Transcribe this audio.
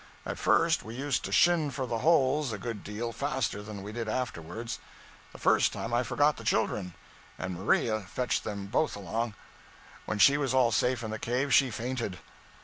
At first we used to shin for the holes a good deal faster than we did afterwards. The first time, I forgot the children, and Maria fetched them both along. When she was all safe in the cave she fainted.